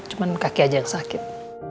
cuma kaki aja yang sakit